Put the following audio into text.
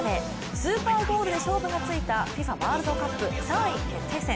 スーパーゴールで勝負がついたＦＩＦＡワールドカップ３位決定戦。